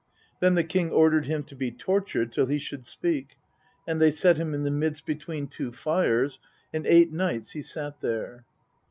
Then the king ordered him to be tortured till he should speak, and they set him in the midst between two fires, and eight nights he sat there.